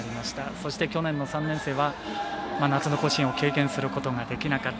そして去年の３年生は夏の甲子園を経験することができなかった。